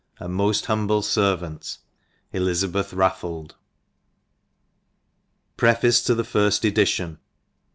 And moft humble Servant, ELIZABETH RAFFALD. Preface to the Firfi Edition.